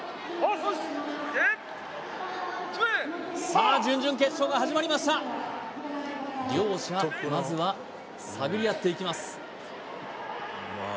さあ準々決勝が始まりました両者まずは探り合っていきます